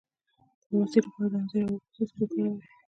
د بواسیر لپاره د انځر او اوبو څاڅکي وکاروئ